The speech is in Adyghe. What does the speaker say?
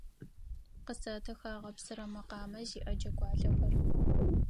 Къысэтых агъэпсырэ мэкъамэ зиӏэ джэгуалъэхэр.